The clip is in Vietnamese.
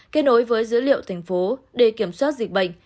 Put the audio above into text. kết nối với dữ liệu thành phố để kiểm soát dịch bệnh